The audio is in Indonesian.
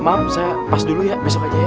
maaf saya pas dulu ya besok aja ya